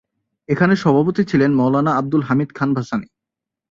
এখানে সভাপতি ছিলেন মওলানা আবদুল হামিদ খান ভাসানী।